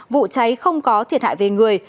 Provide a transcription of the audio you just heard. vụ cháy không có thiệt hại về người